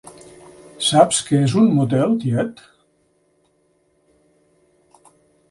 ¿Saps què és un motel, tiet?